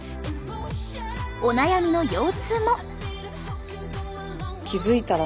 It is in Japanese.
お悩みの腰痛も。